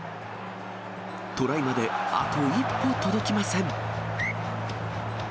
トライまであと一歩届きません。